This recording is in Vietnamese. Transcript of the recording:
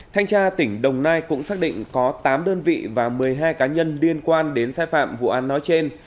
thanh tra tỉnh đồng nai cũng xác định có tám đơn vị và một mươi hai cá nhân liên quan đến sai phạm vụ án nói trên